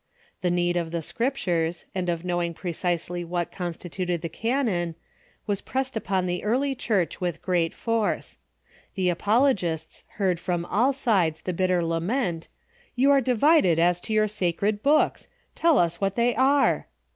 The need of the Scriptures, and of knowing precisely Avhat constituted the canon, was pressed upon the early Church with great force. The apologists heard from all sides the bitter lament, " You are divided as to your sacred books! Tell us what they are!"